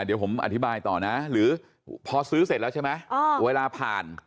เดี๋ยวผมอธิบายต่อนะหรือพอซื้อเสร็จแล้วใช่ไหมเวลาผ่าน